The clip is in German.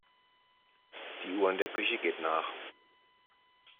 Die Uhr in der Küche geht nach.